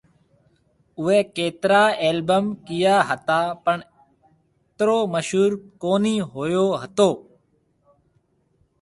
اوئي ڪترا البم ڪيئا ھتا پڻ اترو مشھور ڪونھيَََ ھوئو ھتو